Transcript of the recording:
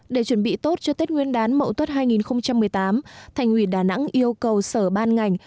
để chuẩn bị tốt cho tết nguyên đán mậu tuất hai nghìn một mươi tám thành ủy đà nẵng yêu cầu sở ban ngành